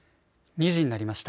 ２時になりました。